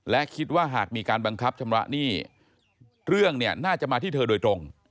และคิดว่าหากมีการบังคับชำระหนี้เรื่องเนี่ยน่าจะมาที่เธอโดยตรง